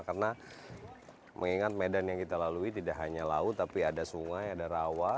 karena mengingat medan yang kita lalui tidak hanya laut tapi ada sungai ada rawa